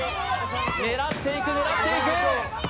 狙っていく、狙っていく。